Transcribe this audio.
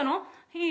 いい？